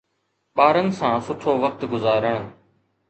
ٻارن سان سٺو وقت گذارڻ